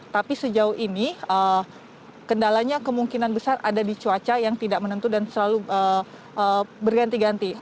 tapi sejauh ini kendalanya kemungkinan besar ada di cuaca yang tidak menentu dan selalu berganti ganti